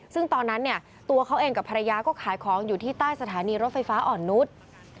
ซึ่งตอนนั้นเนี่ยตัวเขาเองกับภรรยาก็ขายของอยู่ที่ใต้สถานีรถไฟฟ้าอ่อนนุษย์